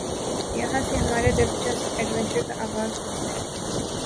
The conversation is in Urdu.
یہاں سے ہمارے دلچسپ ایڈونچر کا آغاز ہوتا ہے ۔